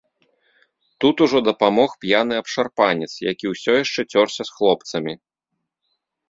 Тут ужо дапамог п'яны абшарпанец, які ўсё яшчэ цёрся з хлопцамі.